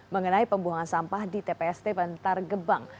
mengenai pembuangan sampah di tpst bantar gebang